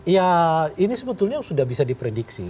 ya ini sebetulnya sudah bisa diprediksi